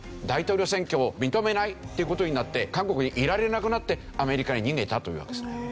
大統領選挙を認めないという事になって韓国にいられなくなってアメリカに逃げたというわけですね。